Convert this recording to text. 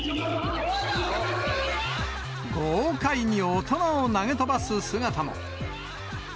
豪快に大人を投げ飛ばす姿も。